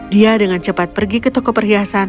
dia dengan cepat pergi ke toko perhiasan